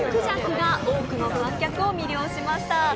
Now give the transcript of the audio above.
孔雀が多くの観客を魅了しました。